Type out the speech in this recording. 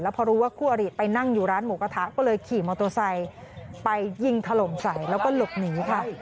พอรู้ว่าคู่อริไปนั่งอยู่ร้านหมูกระทะก็เลยขี่มอเตอร์ไซค์ไปยิงถล่มใส่แล้วก็หลบหนีค่ะ